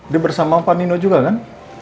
dia bersama pak nino juga kan